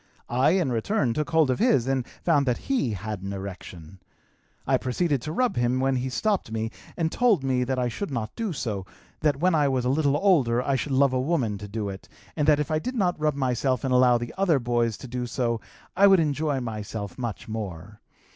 I in return took hold of his and found that he had an erection. I proceeded to rub him when he stopped me and told me that I should not do so, that when I was a little older I should love a woman to do it and that if I did not rub myself and allow other boys to do so, I would enjoy myself much more.